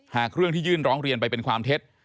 หากเรื่องที่ยื่นร้องเรียนไปเป็นความเท็จ